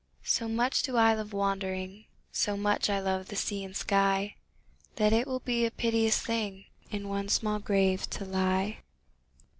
So much do I love wandering, So much I love the sea and sky, That it will be a piteous thing In one small grave to lie.